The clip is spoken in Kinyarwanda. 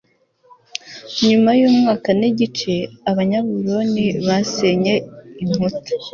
Nyuma y umwaka n igice Abanyababuloni basenye inkuta